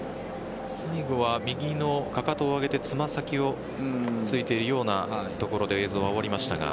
最後は右のかかとを上げて爪先をついているようなところで映像は終わりましたが。